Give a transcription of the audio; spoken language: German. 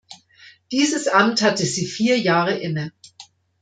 Dieses Amt hatte sie vier Jahre inne.